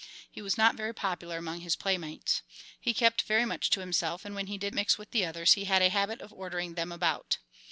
He was not very popular among his playmates. He kept very much to himself, and when he did mix with the others he had a habit of ordering them about.